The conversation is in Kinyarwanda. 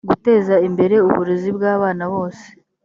guteza imbere uburezi bw abana bose